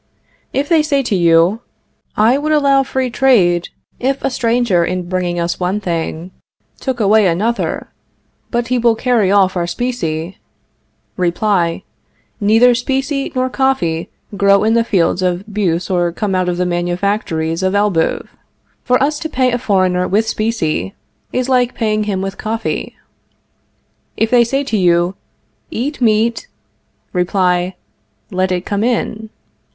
If they say to you: I would allow free trade, if a stranger, in bringing us one thing, took away another; but he will carry off our specie Reply: Neither specie nor coffee grow in the fields of Beauce or come out of the manufactories of Elbeuf. For us to pay a foreigner with specie is like paying him with coffee. If they say to you: Eat meat Reply: Let it come in.